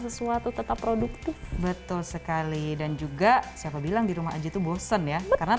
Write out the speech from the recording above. sesuatu tetap produktif betul sekali dan juga siapa bilang di rumah aja tuh bosen ya karena